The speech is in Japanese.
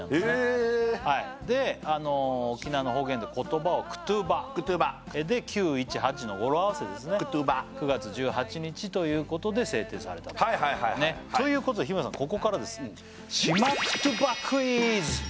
へえはいで沖縄の方言で言葉をくとぅばくとぅばで９１８の語呂合わせですね９月１８日ということで制定されたとねっということで日村さんここからです出た！